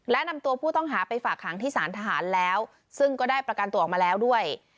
และนำตัวผู้ต้องหาไปฝากหางที่สารทหารแล้วซึ่งก็ได้ประกันตัวออกมาแล้วด้วย